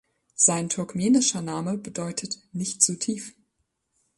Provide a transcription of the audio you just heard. Sein turkmenischer Name bedeutet "nicht so tief".